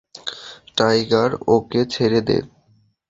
Tiger, ওকে ছেড়ে দে!